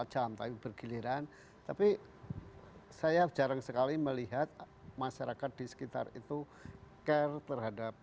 jam tapi bergiliran tapi saya jarang sekali melihat masyarakat di sekitar itu care terhadap